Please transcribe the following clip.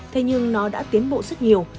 thế nhưng nó đã tiến bộ rất nhiều